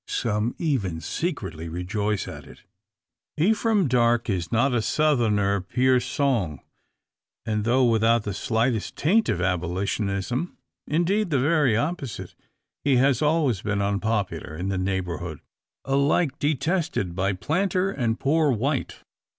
Some even secretly rejoice at it. Ephraim Darke is not a Southerner, pur sang; and, though without the slightest taint of abolitionism indeed the very opposite he has always been unpopular in the neighbourhood; alike detested by planter and "poor white."